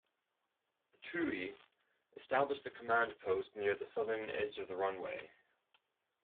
Toohey established a command post near the southern edge of the runway.